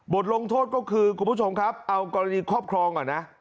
ลงโทษก็คือคุณผู้ชมครับเอากรณีครอบครองก่อนนะ